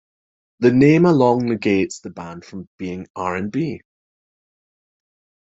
The name alone negates the band from being R and B.